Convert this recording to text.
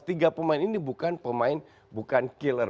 tiga pemain ini bukan killer